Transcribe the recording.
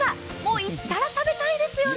行ったら食べたいですよね。